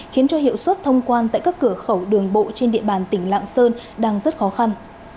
khiến cho hiệu suất thông quan tại các cửa khẩu đường bộ trên địa bàn tỉnh lạng sơn đang rất khó khăn